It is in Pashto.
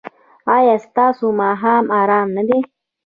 ایا ستاسو ماښام ارام نه دی؟